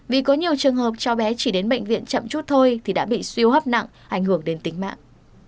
vì có nhiều trường hợp cháu bé chỉ đến bệnh viện chậm chút thôi thì đã bị suy hấp nặng ảnh hưởng đến tính mạng